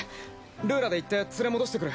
ルーラで行って連れ戻してくる。